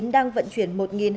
đang vận chuyển